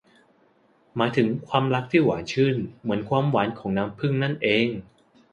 หมายถึงความรักที่หวานชื่นเหมือนความหวานของน้ำผึ้งนั่นเอง